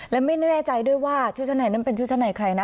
และไม่แน่ใจด้วยว่าชุดชั้นในนั้นเป็นชุดชั้นในใครนะ